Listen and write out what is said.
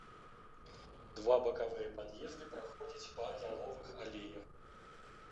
Два бакавыя пад'езды праходзяць па яловых алеях.